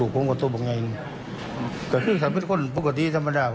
แต่ถ้าไม่เป็นคนปกติธรรมดา